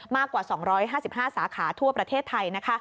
กว่า๒๕๕สาขาทั่วประเทศไทย